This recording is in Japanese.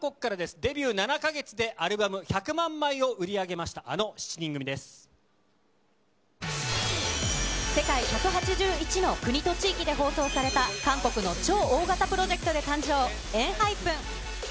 デビュー７か月でアルバム１００万枚を売り上げました、あの７人世界１８１の国と地域で放送された、韓国の超大型プロジェクトで誕生、ＥＮＨＹＰＥＮ。